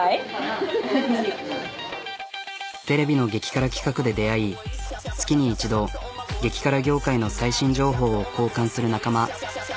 テレビの激辛企画で出会い月に１度激辛業界の最新情報を交換する仲間。